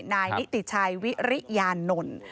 นายนิติชัยวิริยานนท์